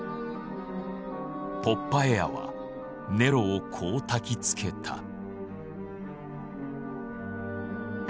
ポッパエアはネロをこうたきつけた。